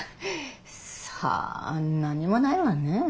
さあ何もないわねえ。